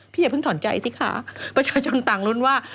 อย่าเพิ่งถอนใจสิคะประชาชนต่างลุ้นว่า